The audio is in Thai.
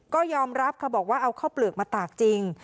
ก็ยอมรับค่ะบอกว่าเอาข้าวเปลือกมาตากจริง